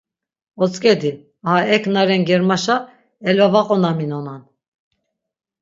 Otzk̆edi, aha, ek na ren germaşa elvavaqonaminonan.